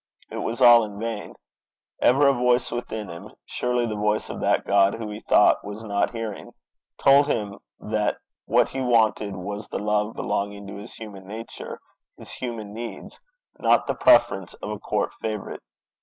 It was all in vain. Ever a voice within him surely the voice of that God who he thought was not hearing told him that what he wanted was the love belonging to his human nature, his human needs not the preference of a court favourite.